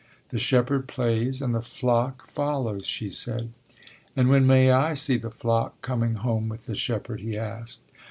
The shepherd plays and the flock follows, she said. And when may I see the flock coming home with the shepherd? he asked.